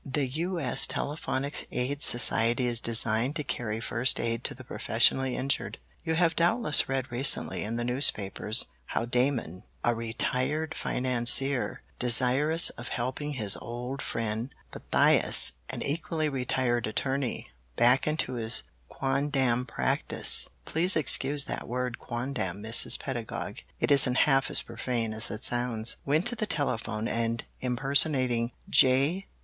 "The U. S. Telephonic Aid Society is designed to carry First Aid to the Professionally Injured. You have doubtless read recently in the newspapers how Damon, a retired financier, desirous of helping his old friend Pythias, an equally retired attorney, back into his quondam practice please excuse that word quondam, Mrs. Pedagog; it isn't half as profane as it sounds went to the telephone and impersonating J.